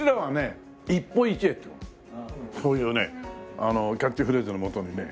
そういうねキャッチフレーズのもとにね。